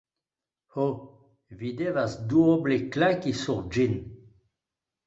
Ho, vi devas duoble klaki sur ĝin.